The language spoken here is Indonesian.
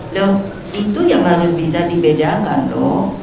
loh itu yang harus bisa dibedakan loh